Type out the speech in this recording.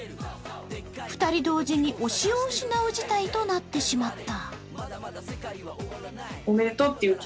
２人同時に推しを失う事態となってしまった。